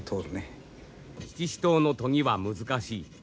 七支刀の研ぎは難しい。